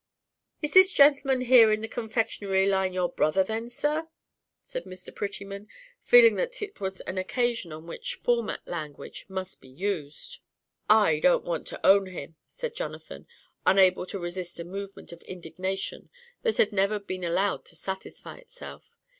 "Is this gentleman here in the confectionery line your brother, then, sir?" said Mr. Prettyman, feeling that it was an occasion on which formal language must be used. "I don't want to own him," said Jonathan, unable to resist a movement of indignation that had never been allowed to satisfy itself.